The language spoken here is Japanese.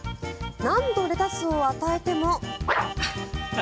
何度レタスを与えても。